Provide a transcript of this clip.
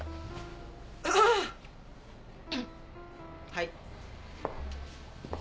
はい。